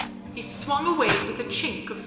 He swung away with a chink of steel.